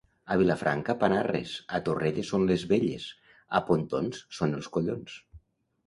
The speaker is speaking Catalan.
A Vilafranca panarres, a Torrelles són les belles, a Pontons són els collons.